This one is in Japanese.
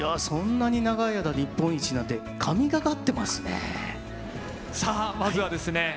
そんなに長い間日本一なんてさあまずはですね